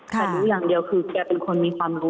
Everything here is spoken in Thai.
แต่รู้อย่างเดียวคือแกเป็นคนมีความรู้